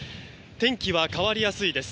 天気は変わりやすいです。